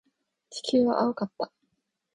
地球は青かった。